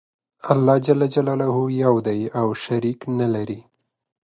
الله ج یو دی او شریک نلری.